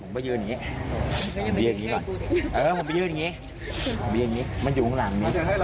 ผมก็ยื่นอย่นนี้ผมพอเรียกอย่างนี้หน่อยดูข้างหลังนี้